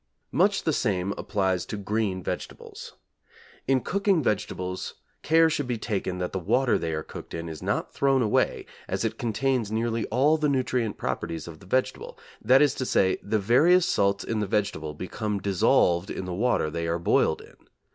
Much the same applies to green vegetables. In cooking vegetables care should be taken that the water they are cooked in is not thrown away as it contains nearly all the nutrient properties of the vegetable; that is to say, the various salts in the vegetable become dissolved in the water they are boiled in.